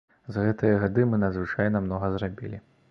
За гэтыя гады мы надзвычайна многа зрабілі.